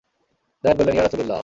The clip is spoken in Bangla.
যায়েদ বললেন, ইয়া রাসূলাল্লাহ!